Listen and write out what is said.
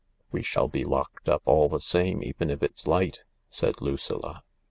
..."" We shall be locked up all the same even if it's light," said Lucilla.